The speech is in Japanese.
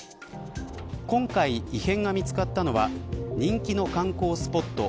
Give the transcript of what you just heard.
今回、異変が見つかったのは人気の観光スポット